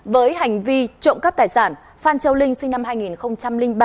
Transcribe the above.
với hành vi trộm cắp tài sản phan châu linh sinh năm hai nghìn ba